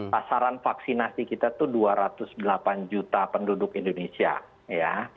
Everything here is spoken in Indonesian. pasaran vaksinasi kita itu dua ratus delapan juta penduduk indonesia ya